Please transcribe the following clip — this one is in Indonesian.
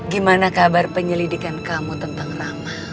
gimana kabar penyelidikan kamu tentang rama